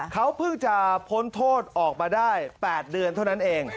เขาเพิ่งจะพ้นโทษออกมาได้๘เดือนเท่านั้นเอง